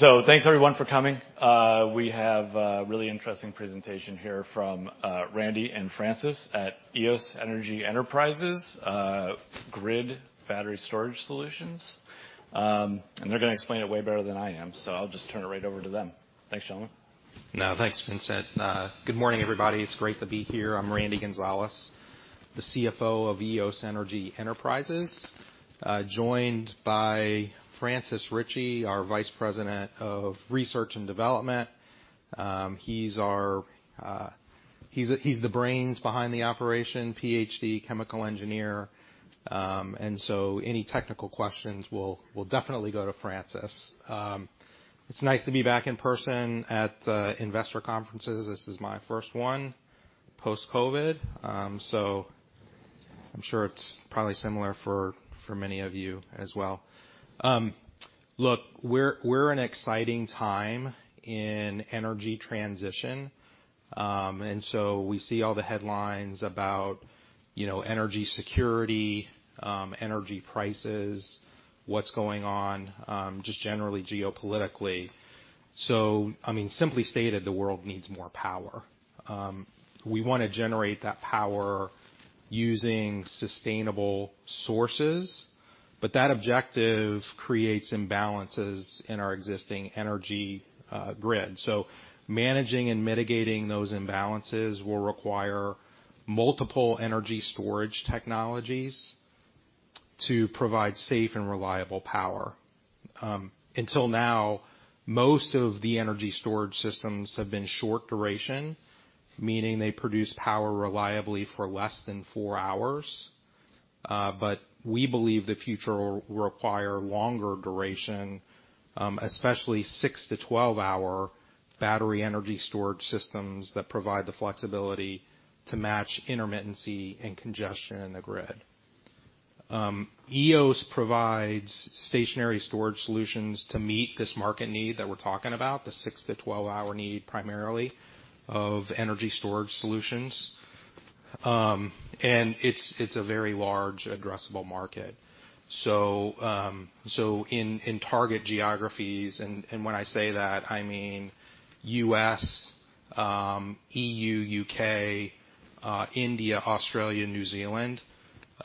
Thanks everyone for coming. We have a really interesting presentation here from Randy and Francis at Eos Energy Enterprises, grid battery storage solutions. They're gonna explain it way better than I am, so I'll just turn it right over to them. Thanks, gentlemen. No, thanks, Vincent. Good morning, everybody. It's great to be here. I'm Randall B. Gonzalez, the CFO of Eos Energy Enterprises, joined by Francis Richey, our Vice President of Research and Development. He's the brains behind the operation, Ph.D. chemical engineer, and any technical questions will definitely go to Francis. It's nice to be back in person at investor conferences. This is my first one post-COVID. I'm sure it's probably similar for many of you as well. Look, we're in an exciting time in energy transition, and we see all the headlines about, you know, energy security, energy prices, what's going on, just generally geopolitically. I mean, simply stated, the world needs more power. We wanna generate that power using sustainable sources, but that objective creates imbalances in our existing energy grid. Managing and mitigating those imbalances will require multiple energy storage technologies to provide safe and reliable power. Until now, most of the energy storage systems have been short duration, meaning they produce power reliably for less than four hours. We believe the future will require longer duration, especially six-12-hour battery energy storage systems that provide the flexibility to match intermittency and congestion in the grid. Eos provides stationary storage solutions to meet this market need that we're talking about, the six-12-hour need primarily of energy storage solutions. It's a very large addressable market. In target geographies, when I say that, I mean U.S., E.U., U.K., India, Australia, New Zealand, you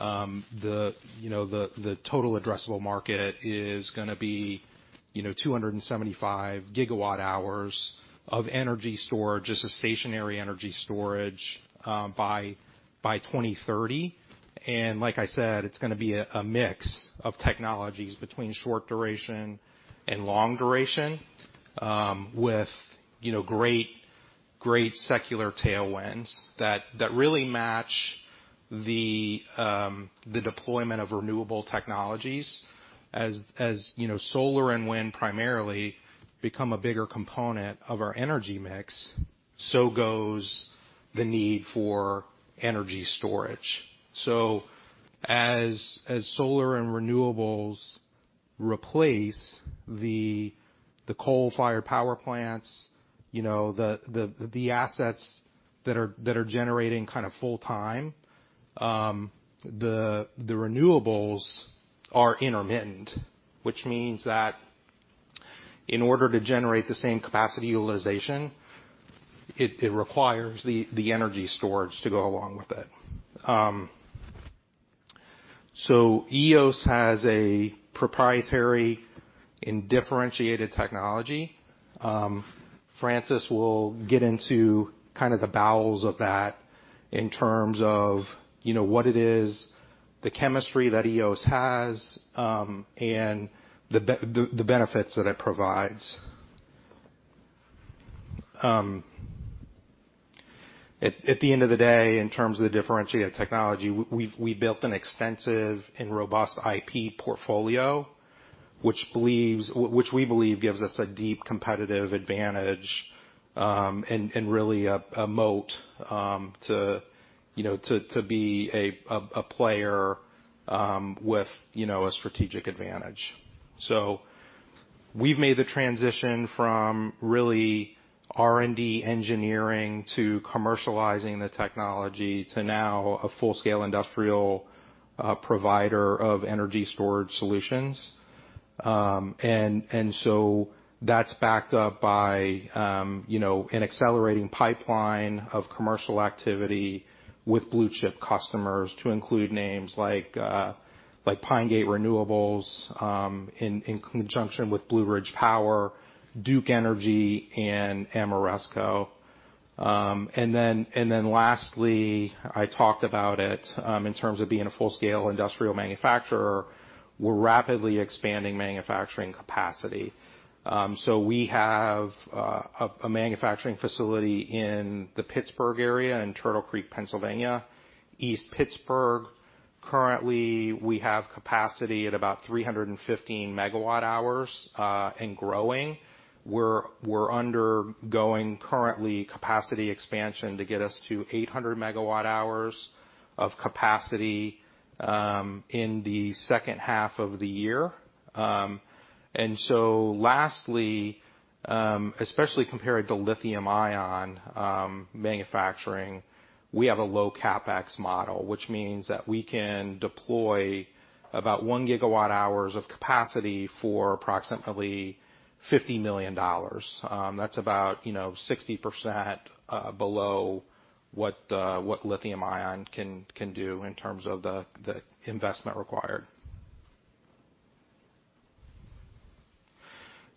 know, the total addressable market is gonna be, you know, 275 gigawatt-hours of energy storage, just stationary energy storage by 2030. Like I said, it's gonna be a mix of technologies between short duration and long duration, you know, with great secular tailwinds that really match the deployment of renewable technologies. As you know, solar and wind primarily become a bigger component of our energy mix, so goes the need for energy storage. As solar and renewables replace the assets that are generating kind of full time, the renewables are intermittent, which means that in order to generate the same capacity utilization, it requires the energy storage to go along with it. Eos has a proprietary and differentiated technology. Francis will get into kind of the bowels of that in terms of, you know, what it is, the chemistry that Eos has, and the benefits that it provides. At the end of the day, in terms of the differentiated technology, we built an extensive and robust IP portfolio, which we believe gives us a deep competitive advantage, and really a moat to you know to be a player with you know a strategic advantage. We've made the transition from really R&D engineering to commercializing the technology to now a full-scale industrial provider of energy storage solutions. That's backed up by you know an accelerating pipeline of commercial activity with blue-chip customers to include names like Pine Gate Renewables in conjunction with Blue Ridge Power, Duke Energy, and Ameresco. Lastly, I talked about it in terms of being a full-scale industrial manufacturer. We're rapidly expanding manufacturing capacity. We have a manufacturing facility in the Pittsburgh area in Turtle Creek, Pennsylvania, East Pittsburgh. Currently, we have capacity at about 315 MWh and growing. We're undergoing currently capacity expansion to get us to 800 MWh of capacity in the second half of the year. Especially compared to lithium-ion manufacturing, we have a low CapEx model, which means that we can deploy about 1 GWh of capacity for approximately $50 million. That's about, you know, 60% below what lithium-ion can do in terms of the investment required.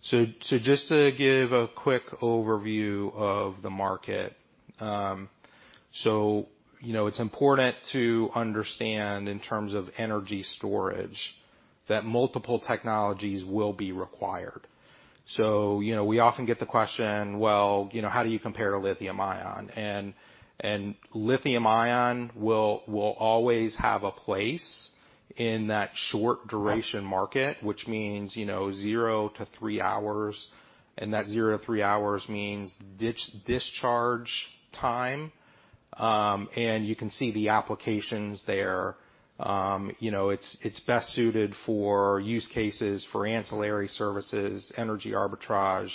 Just to give a quick overview of the market. You know, it's important to understand in terms of energy storage that multiple technologies will be required. You know, we often get the question, well, you know, how do you compare to lithium-ion? Lithium-ion will always have a place in that short duration market, which means, you know, zero-hours hours, and that zero-three hours means discharge time. You can see the applications there. You know, it's best suited for use cases for ancillary services, energy arbitrage,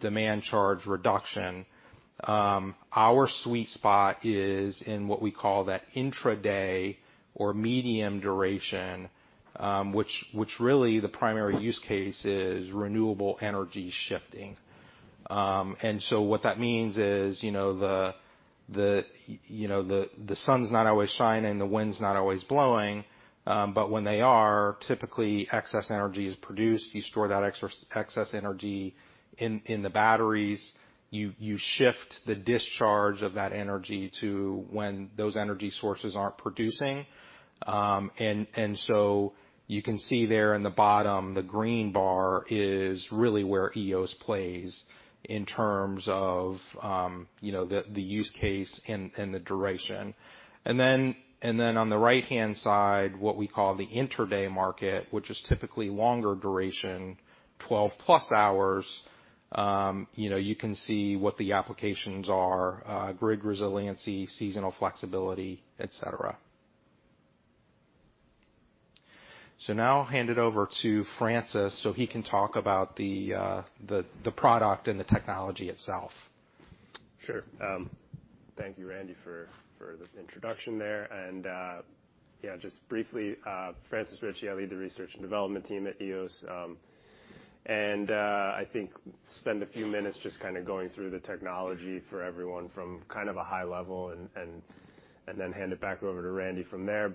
demand charge reduction. Our sweet spot is in what we call that intraday or medium duration, which really the primary use case is renewable energy shifting. What that means is, you know, the, you know, the sun's not always shining, and the wind's not always blowing. When they are, typically excess energy is produced. You store that excess energy in the batteries. You shift the discharge of that energy to when those energy sources aren't producing. You can see there in the bottom, the green bar is really where Eos plays in terms of, you know, the use case and the duration. Then on the right-hand side, what we call the inter-day market, which is typically longer duration, 12+ hours. You know, you can see what the applications are, grid resiliency, seasonal flexibility, et cetera. Now I'll hand it over to Francis so he can talk about the product and the technology itself. Sure. Thank you, Randy, for the introduction there. Yeah, just briefly, Francis Richey. I lead the research and development team at Eos. I think spend a few minutes just kind of going through the technology for everyone from kind of a high level and then hand it back over to Randy from there.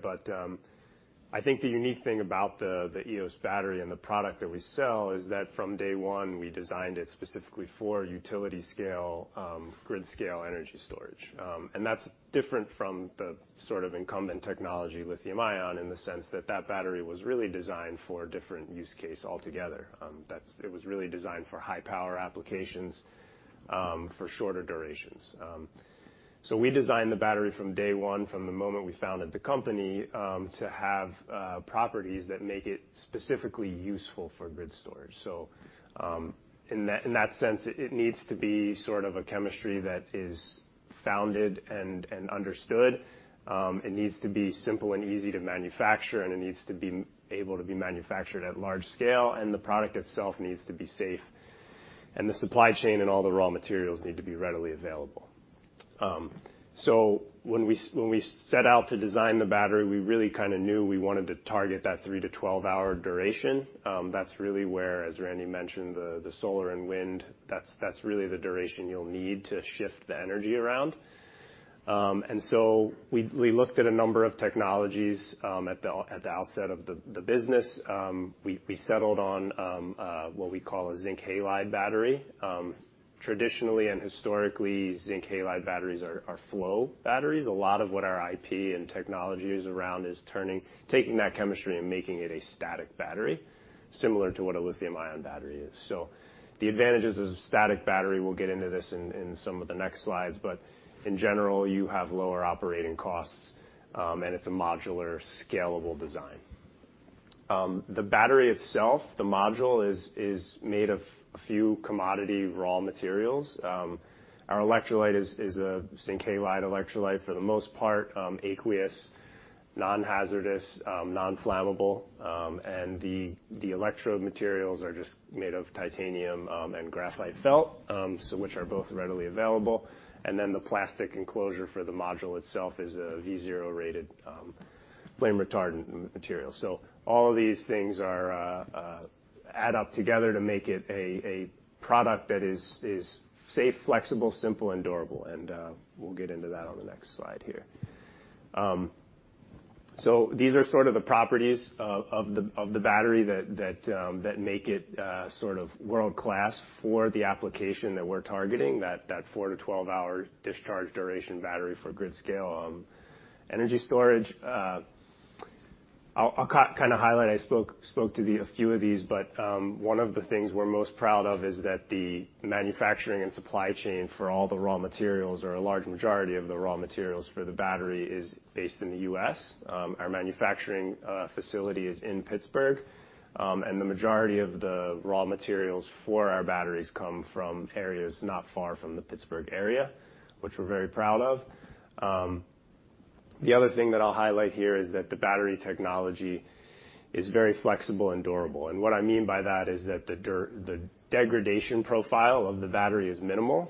I think the unique thing about the Eos battery and the product that we sell is that from day one, we designed it specifically for utility scale, grid scale energy storage. That's different from the sort of incumbent technology, lithium-ion, in the sense that that battery was really designed for a different use case altogether. It was really designed for high power applications, for shorter durations. We designed the battery from day one, from the moment we founded the company, to have properties that make it specifically useful for grid storage. In that sense, it needs to be sort of a chemistry that is founded and understood. It needs to be simple and easy to manufacture, and it needs to be able to be manufactured at large scale, and the product itself needs to be safe, and the supply chain and all the raw materials need to be readily available. When we set out to design the battery, we really kinda knew we wanted to target that 3-12-hour duration. That's really where, as Randy mentioned, the solar and wind, that's really the duration you'll need to shift the energy around. We looked at a number of technologies at the outset of the business. We settled on what we call a zinc halide battery. Traditionally and historically, zinc halide batteries are flow batteries. A lot of what our IP and technology is around is taking that chemistry and making it a static battery, similar to what a lithium-ion battery is. The advantages of static battery, we'll get into this in some of the next slides, but in general, you have lower operating costs, and it's a modular, scalable design. The battery itself, the module is made of a few commodity raw materials. Our electrolyte is a zinc halide electrolyte for the most part, aqueous, non-hazardous, non-flammable. The electrode materials are just made of titanium and graphite felt, which are both readily available. The plastic enclosure for the module itself is a V-0 flame retardant material. All of these things add up together to make it a product that is safe, flexible, simple and durable. We'll get into that on the next slide here. These are sort of the properties of the battery that make it sort of world-class for the application that we're targeting, that four-12-hour discharge duration battery for grid scale energy storage. I'll kind of highlight, I spoke to a few of these, but one of the things we're most proud of is that the manufacturing and supply chain for all the raw materials or a large majority of the raw materials for the battery is based in the US. Our manufacturing facility is in Pittsburgh, and the majority of the raw materials for our batteries come from areas not far from the Pittsburgh area, which we're very proud of. The other thing that I'll highlight here is that the battery technology is very flexible and durable. What I mean by that is that the degradation profile of the battery is minimal.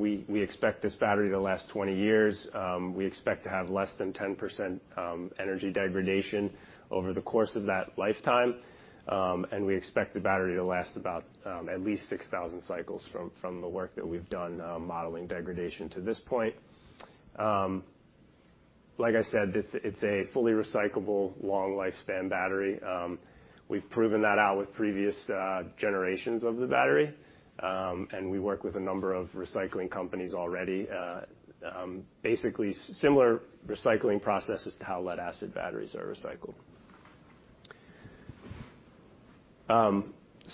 We expect this battery to last 20 years. We expect to have less than 10% energy degradation over the course of that lifetime. We expect the battery to last about at least 6,000 cycles from the work that we've done modeling degradation to this point. Like I said, it's a fully recyclable, long lifespan battery. We've proven that out with previous generations of the battery. We work with a number of recycling companies already. Basically similar recycling processes to how lead-acid batteries are recycled.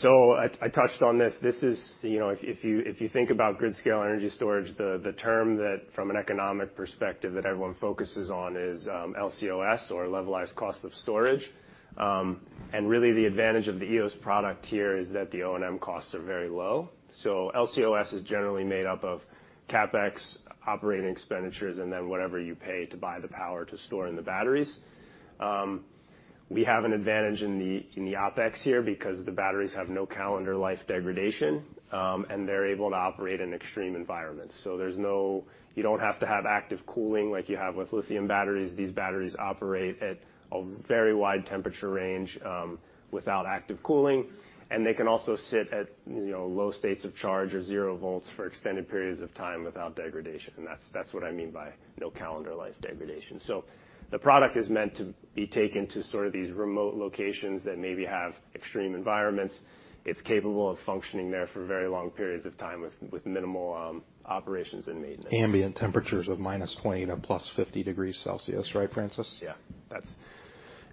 I touched on this. This is, you know, if you think about grid-scale energy storage, the term that from an economic perspective that everyone focuses on is LCOS or levelized cost of storage. Really the advantage of the Eos product here is that the O&M costs are very low. LCOS is generally made up of CapEx, operating expenditures, and then whatever you pay to buy the power to store in the batteries. We have an advantage in the OpEx here because the batteries have no calendar life degradation, and they're able to operate in extreme environments. You don't have to have active cooling like you have with lithium batteries. These batteries operate at a very wide temperature range, without active cooling, and they can also sit at, you know, low states of charge or zero volts for extended periods of time without degradation. That's what I mean by no calendar life degradation. The product is meant to be taken to sort of these remote locations that maybe have extreme environments. It's capable of functioning there for very long periods of time with minimal operations and maintenance. Ambient temperatures of -20 to +50 degrees Celsius, right, Francis? Yeah.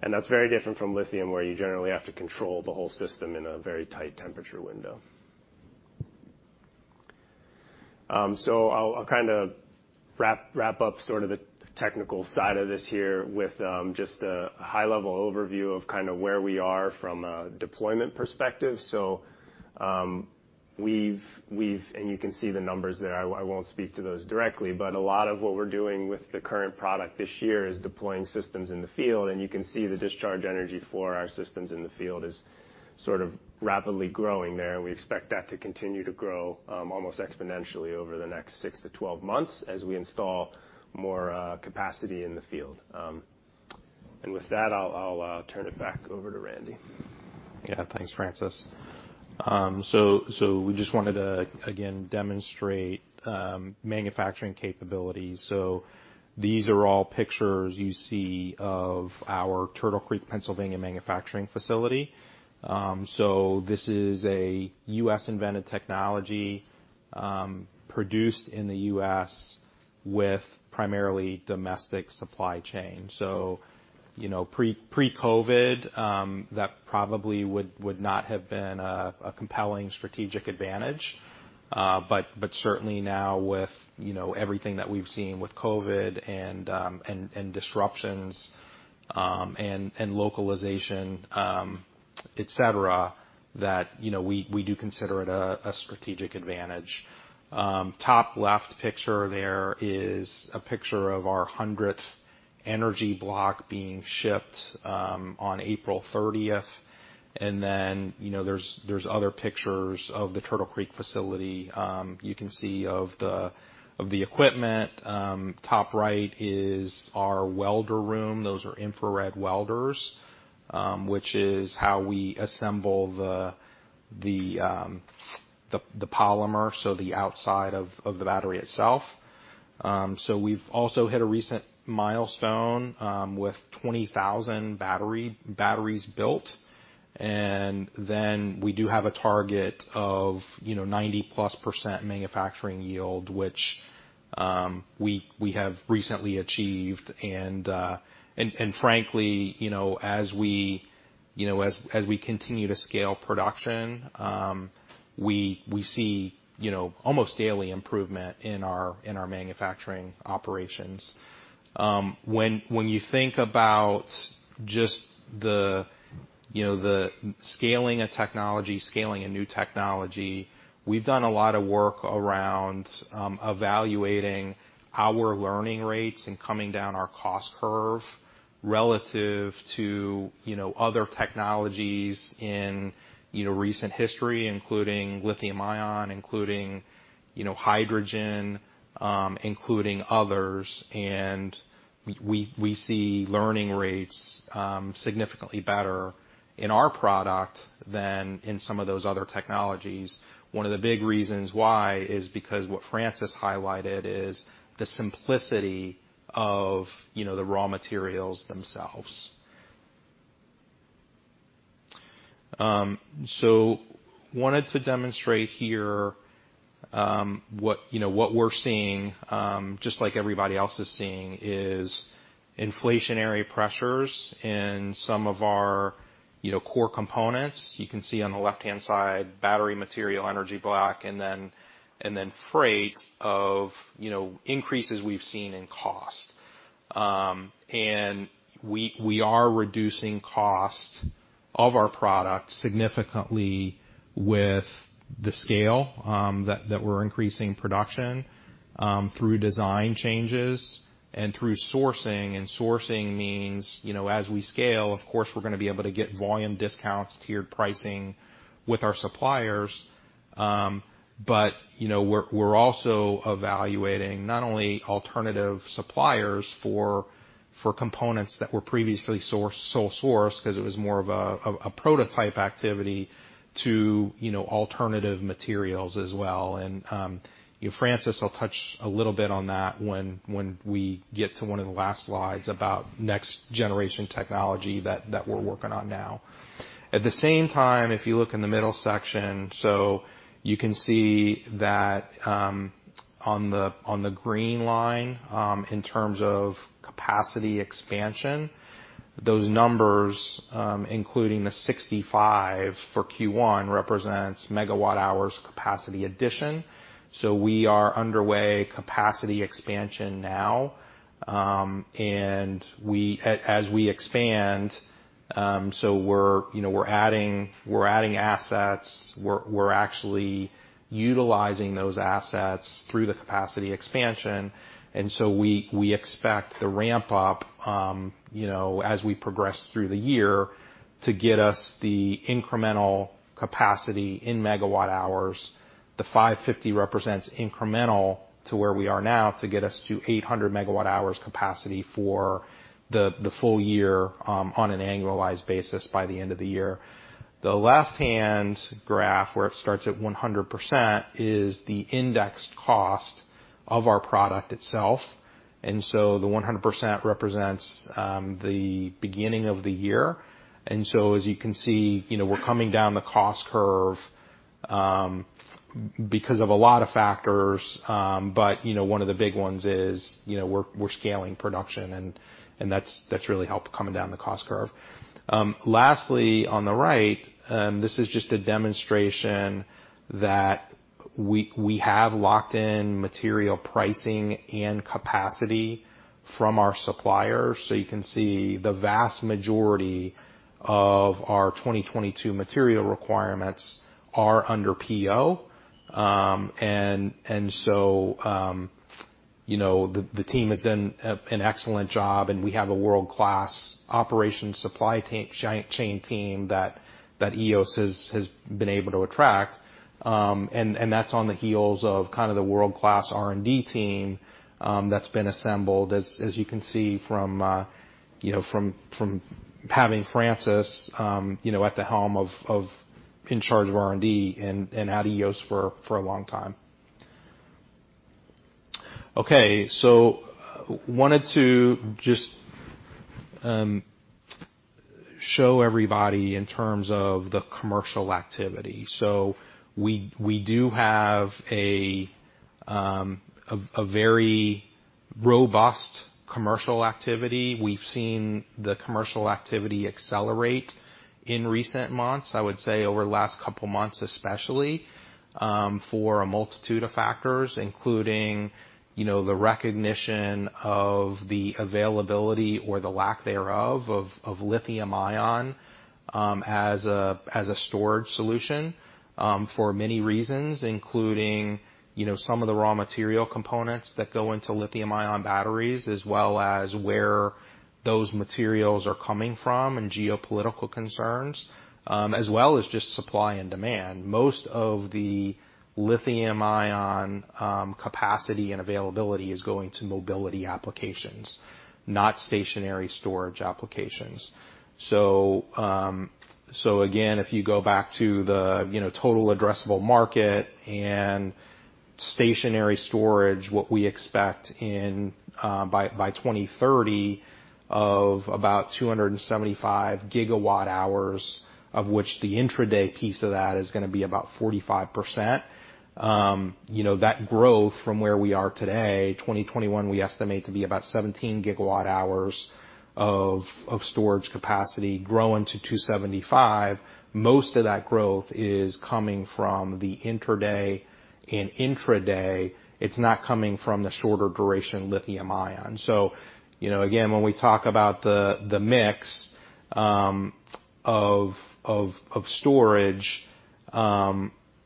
That's very different from lithium, where you generally have to control the whole system in a very tight temperature window. I'll kinda wrap up sort of the technical side of this here with just a high-level overview of kinda where we are from a deployment perspective. You can see the numbers there. I won't speak to those directly, but a lot of what we're doing with the current product this year is deploying systems in the field, and you can see the discharge energy for our systems in the field is sort of rapidly growing there. We expect that to continue to grow almost exponentially over the next six to 12 months as we install more capacity in the field. With that, I'll turn it back over to Randy. Yeah. Thanks, Francis. So we just wanted to again demonstrate manufacturing capabilities. These are all pictures you see of our Turtle Creek, Pennsylvania, manufacturing facility. This is a U.S.-invented technology, produced in the U.S. with primarily domestic supply chain. You know, pre-COVID, that probably would not have been a compelling strategic advantage. But certainly now with, you know, everything that we've seen with COVID and disruptions and localization, et cetera, that, you know, we do consider it a strategic advantage. Top left picture there is a picture of our hundredth Energy Block being shipped on April thirtieth. Then, you know, there's other pictures of the Turtle Creek facility, you can see of the equipment. Top right is our welder room. Those are infrared welders, which is how we assemble the polymer, so the outside of the battery itself. We've also hit a recent milestone with 20,000 batteries built. Then we do have a target of 90%+ manufacturing yield, which we have recently achieved. Frankly, as we continue to scale production, we see almost daily improvement in our manufacturing operations. When you think about just the scaling of a technology, scaling a new technology, we've done a lot of work around evaluating our learning rates and coming down our cost curve relative to other technologies in recent history, including lithium-ion, including hydrogen, including others. We see learning rates significantly better in our product than in some of those other technologies. One of the big reasons why is because what Francis highlighted is the simplicity of, you know, the raw materials themselves. Wanted to demonstrate here what we're seeing just like everybody else is seeing is inflationary pressures in some of our, you know, core components. You can see on the left-hand side, battery material, Energy Block, and then freight of, you know, increases we've seen in cost. We are reducing costs of our product significantly with the scale that we're increasing production through design changes and through sourcing. Sourcing means, you know, as we scale, of course, we're gonna be able to get volume discounts, tiered pricing with our suppliers. You know, we're also evaluating not only alternative suppliers for components that were previously sole sourced 'cause it was more of a prototype activity to alternative materials as well. You know, Francis will touch a little bit on that when we get to one of the last slides about next generation technology that we're working on now. At the same time, if you look in the middle section, you can see that on the green line in terms of capacity expansion, those numbers, including the 65 for Q1, represents MWh capacity addition. We are underway capacity expansion now, and as we expand, you know, we're adding assets, we're actually utilizing those assets through the capacity expansion. We expect the ramp up, you know, as we progress through the year to get us the incremental capacity in megawatt hours. The 550 represents incremental to where we are now to get us to 800 MWh capacity for the full year, on an annualized basis by the end of the year. The left-hand graph, where it starts at 100%, is the indexed cost of our product itself. The 100% represents the beginning of the year. As you can see, you know, we're coming down the cost curve because of a lot of factors, but, you know, one of the big ones is, you know, we're scaling production, and that's really helped coming down the cost curve. Lastly, on the right, this is just a demonstration that we have locked in material pricing and capacity from our suppliers. You can see the vast majority of our 2022 material requirements are under PO. You know, the team has done an excellent job, and we have a world-class operations supply chain team that Eos has been able to attract. That's on the heels of kind of the world-class R&D team that's been assembled. As you can see from you know from having Francis you know at the helm of in charge of R&D and at Eos for a long time. Okay. Wanted to just show everybody in terms of the commercial activity. We do have a very robust commercial activity. We've seen the commercial activity accelerate in recent months, I would say over the last couple months especially, for a multitude of factors, including, you know, the recognition of the availability or the lack thereof of lithium-ion, as a storage solution, for many reasons, including, you know, some of the raw material components that go into lithium-ion batteries, as well as where those materials are coming from and geopolitical concerns, as well as just supply and demand. Most of the lithium-ion capacity and availability is going to mobility applications, not stationary storage applications. Again, if you go back to the, you know, total addressable market and stationary storage, what we expect in by 2030 of about 275 GWh, of which the intraday piece of that is gonna be about 45%. You know, that growth from where we are today, 2021, we estimate to be about 17 GWh of storage capacity growing to 275. Most of that growth is coming from the interday and intraday. It's not coming from the shorter duration lithium-ion. You know, again, when we talk about the mix of storage,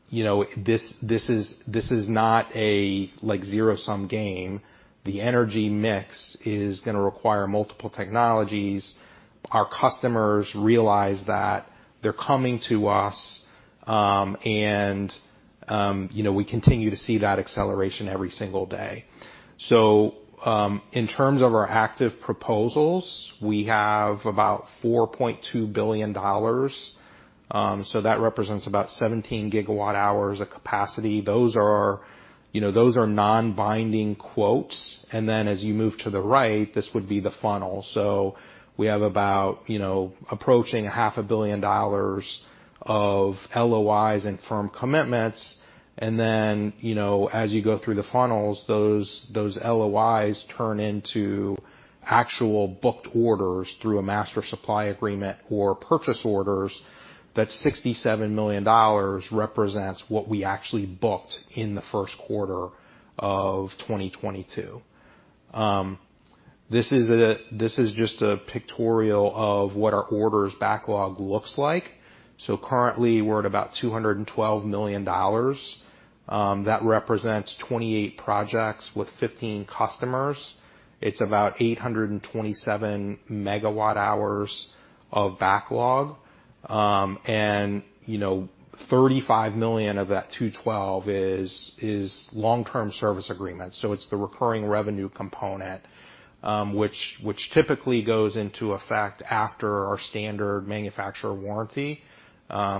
you know, this is not a like zero-sum game. The energy mix is gonna require multiple technologies. Our customers realize that they're coming to us, and, you know, we continue to see that acceleration every single day. In terms of our active proposals, we have about $4.2 billion, so that represents about 17 GWh of capacity. Those are, you know, non-binding quotes. As you move to the right, this would be the funnel. We have about, you know, approaching half a billion dollars of LOIs and firm commitments. You know, as you go through the funnels, those LOIs turn into actual booked orders through a master supply agreement or purchase orders. That $67 million represents what we actually booked in the Q1 of 2022. This is just a pictorial of what our orders backlog looks like. Currently, we're at about $212 million. That represents 28 projects with 15 customers. It's about 827 MWh of backlog. You know, $35 million of that $212 million is long-term service agreements, so it's the recurring revenue component, which typically goes into effect after our standard manufacturer warranty,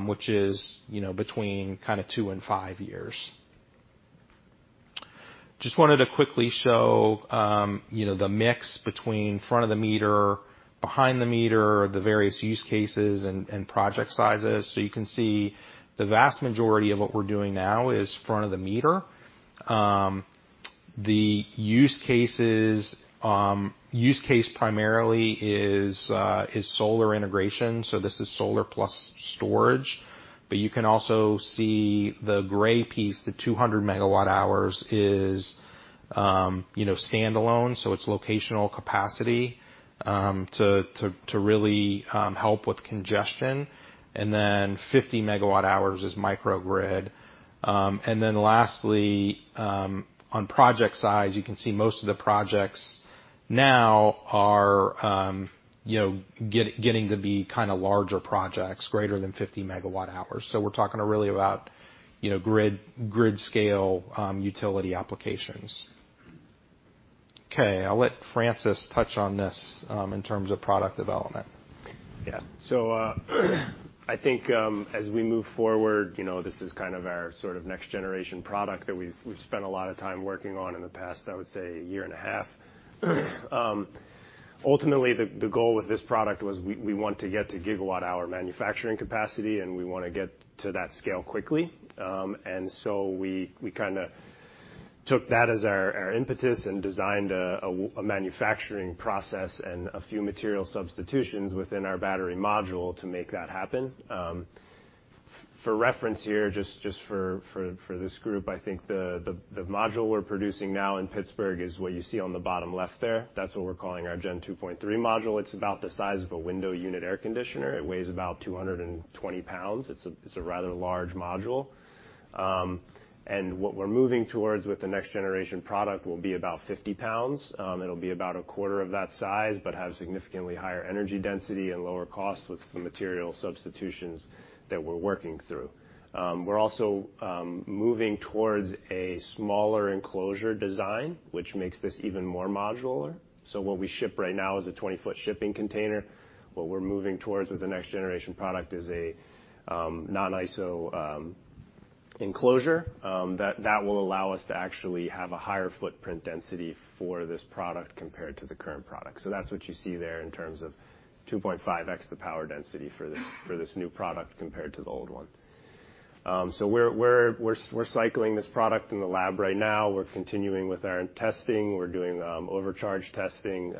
which is, you know, between two and five years. Just wanted to quickly show, you know, the mix between front of the meter, behind the meter, the various use cases and project sizes. You can see the vast majority of what we're doing now is front of the meter. The use cases primarily is solar integration, so this is solar plus storage. You can also see the gray piece, the 200 MWh is, you know, standalone, so it's locational capacity, to really help with congestion. Then 50 MWh is microgrid. Then lastly, on project size, you can see most of the projects now are, you know, getting to be kinda larger projects, greater than 50 MWh. We're talking really about, you know, grid scale, utility applications. Okay, I'll let Francis touch on this, in terms of product development. Yeah. I think, as we move forward, you know, this is kind of our sort of next generation product that we've spent a lot of time working on in the past, I would say a year and a half. Ultimately, the goal with this product was we want to get to gigawatt hour manufacturing capacity, and we wanna get to that scale quickly. We kinda took that as our impetus and designed a manufacturing process and a few material substitutions within our battery module to make that happen. For reference here, just for this group, I think the module we're producing now in Pittsburgh is what you see on the bottom left there. That's what we're calling our Gen 2.3 module. It's about the size of a window unit air conditioner. It weighs about 220 pounds. It's a rather large module. What we're moving towards with the next generation product will be about 50 pounds. It'll be about a quarter of that size, but have significantly higher energy density and lower cost with some material substitutions that we're working through. We're also moving towards a smaller enclosure design, which makes this even more modular. What we ship right now is a 20-foot shipping container. What we're moving towards with the next generation product is a non-ISO enclosure that will allow us to actually have a higher footprint density for this product compared to the current product. That's what you see there in terms of 2.5x the power density for this new product compared to the old one. We're cycling this product in the lab right now. We're continuing with our testing. We're doing overcharge testing,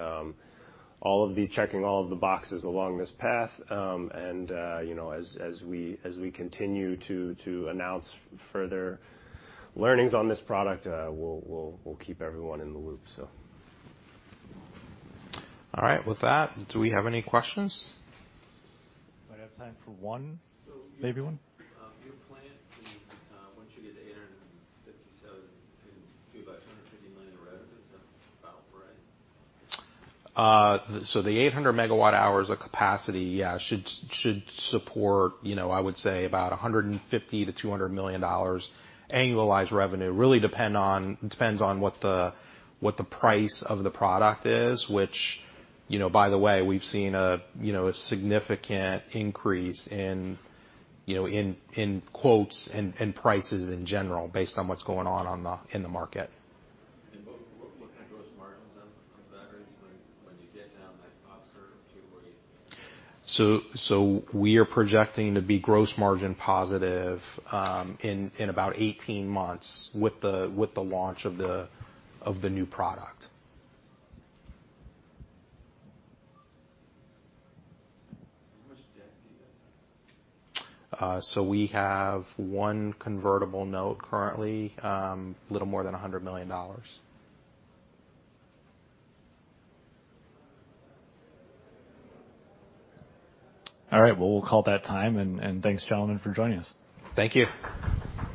checking all of the boxes along this path. You know, as we continue to announce further learnings on this product, we'll keep everyone in the loop. All right. With that, do we have any questions? Might have time for one. Maybe one. Your plan from once you get to 857 to do about $250 million in revenue, is that about right? The 800 MWh of capacity, yeah, should support, you know, I would say about $150 million-$200 million annualized revenue. It depends on what the price of the product is, which, you know, by the way, we've seen a significant increase in quotes and prices in general based on what's going on in the market. What kinda gross margins on batteries when you get down that cost curve to where you? We are projecting to be gross margin positive in about 18 months with the launch of the new product. How much debt do you have now? We have one convertible note currently, little more than $100 million. All right. Well, we'll call that time. Thanks, gentlemen, for joining us. Thank you.